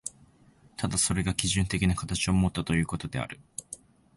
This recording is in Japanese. ただそれが基準的な形をもったということである。